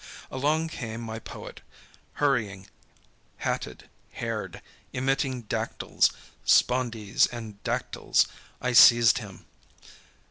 Along came my poet, hurrying, hatted, haired, emitting dactyls, spondees and dactylis. I seized him.